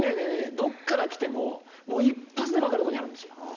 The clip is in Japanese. どっから来てももう一発でわかるとこにあるんですよ。